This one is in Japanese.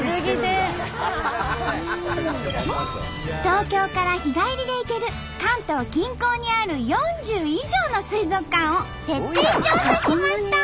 東京から日帰りで行ける関東近郊にある４０以上の水族館を徹底調査しました！